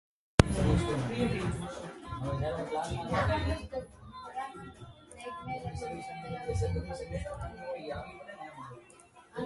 The filling comes in different variety of flavors like cocoa, walnut, or coconut.